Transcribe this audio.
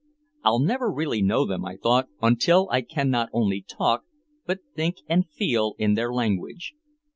"I'll never really know them," I thought, "until I can not only talk but think and feel in their language."